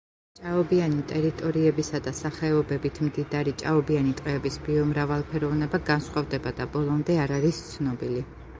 ჭაობიანი ტერიტორიებისა და სახეობებით მდიდარი ჭაობიანი ტყეების ბიომრავალფეროვნება განსხვავდება და ბოლომდე არ არის ცნობილი.